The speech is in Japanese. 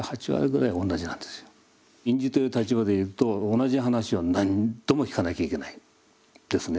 隠侍という立場でいうと同じ話を何度も聞かなきゃいけないですね。